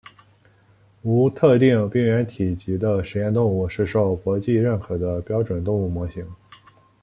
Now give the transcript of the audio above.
无特定病原体级的实验动物是受国际认可的标准动物模型。